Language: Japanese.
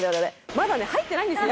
まだね入ってないんですよ